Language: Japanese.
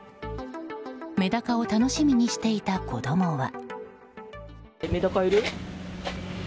メダカを楽しみにしていた子供は。